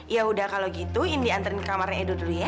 ya udah kalau gitu indi anterin ke kamarnya edo dulu ya